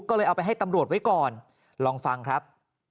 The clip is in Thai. ก็เลยเอาไปให้ตำรวจไว้ก่อนลองฟังครับ